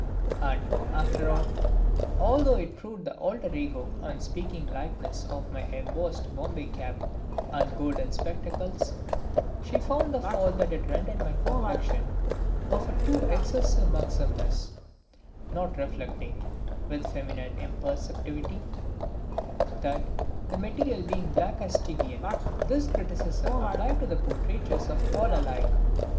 And, after all, although it proved the alter ego and speaking likeness of my embossed Bombay cap and golden spectacles, she found the fault that it rendered my complexion of a too excessive murksomeness; not reflecting (with feminine imperceptivity) that, the material being black as a Stygian, this criticism applied to the portraitures of all alike!